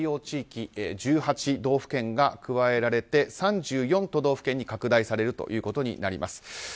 地域１８道府県が加えられて３４都道府県に拡大されることになります。